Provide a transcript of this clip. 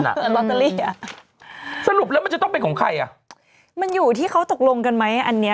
โรตารีสรุปแล้วมันจะต้องเป็นของใครมันอยู่ที่เขาตกลงกันไหมอันนี้